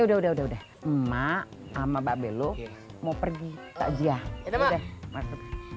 udah udah udah udah sama babelok mau pergi aja udah